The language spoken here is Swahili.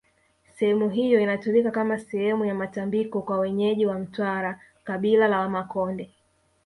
sehemu hiyo inatumika kama sehemu ya matambiko kwa wenyeji wa mtwara kabila la wamakonde